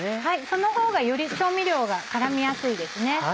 そのほうがより調味料が絡みやすいですね。